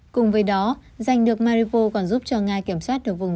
cùng với đó giành được marivo còn giúp cho nga kiểm soát được vùng